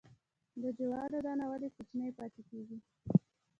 د جوارو دانه ولې کوچنۍ پاتې کیږي؟